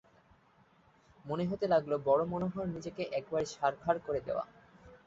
মনে হতে লাগল বড়ো মনোহর নিজেকে একেবারে ছারখার করে দেওয়া।